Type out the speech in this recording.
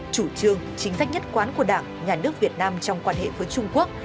chủ trương chính sách nhất quán của đảng nhà nước việt nam trong quan hệ với trung quốc